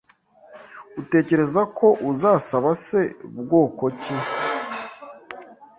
Utekereza ko uzaba se bwoko ki?